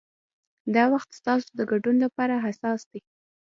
دا وخت ستاسو د ګډون لپاره حساس دی.